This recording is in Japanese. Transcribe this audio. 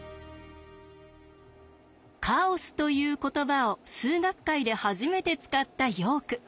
「カオス」という言葉を数学界で初めて使ったヨーク。